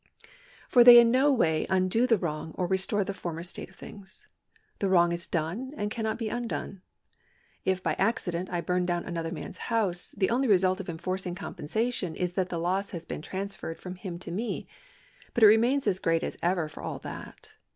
For they in no way undo the wrong or restore the former state of things. The wrong is done and cannot be undone. If by accident I burn down another man's house, the only result of enforcing compensation is that the loss has been transferred from him to me ; but it remains as great as ever for all that.